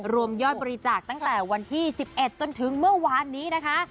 รวมยอดบริจาคตั้งแต่วันที่๑๑จนถึงเมื่อวานนี้นะคะ